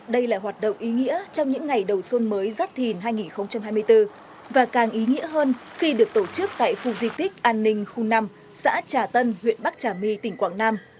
đây là hoạt động ý nghĩa trong những ngày đầu xuân mới giác thìn hai nghìn hai mươi bốn và càng ý nghĩa hơn khi được tổ chức tại khu di tích an ninh khu năm xã trà tân huyện bắc trà my tỉnh quảng nam